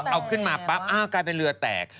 เอาขึ้นมาปั๊บอ้าวกลายเป็นเรือแตก